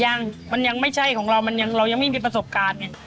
ยังมันยังไม่ใช่ของเรามันยังเรายังไม่มีประสบการณ์ไง